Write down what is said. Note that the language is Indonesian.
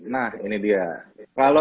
nah ini dia kalau